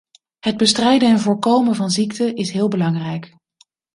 Het bestrijden en voorkomen van ziekten is heel belangrijk.